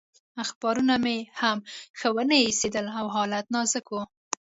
اخبارونه مې هم ښه ونه ایسېدل او حالت نازک و.